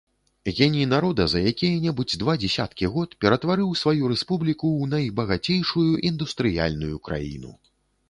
Геній народа за якія-небудзь два дзесяткі год ператварыў сваю рэспубліку ў найбагацейшую індустрыяльную краіну.